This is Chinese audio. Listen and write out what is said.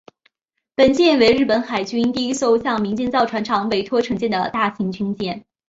本舰为日本海军第一艘向民间造船厂委托承建的大型军舰。